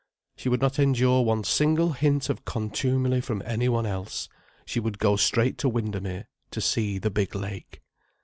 She would not endure one single hint of contumely from any one else. She would go straight to Windermere, to see the big lake.